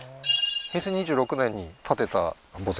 平成２６年に建てた墓石？